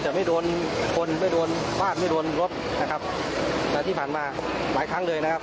แต่ไม่โดนคนไม่โดนฟาดไม่โดนรถนะครับแต่ที่ผ่านมาหลายครั้งเลยนะครับ